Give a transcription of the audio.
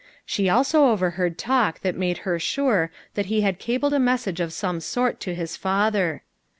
She also overheard talk that made her sure that he had cabled a message of some sort to his father.